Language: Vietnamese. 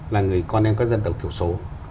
là người con em các dân tộc thiểu số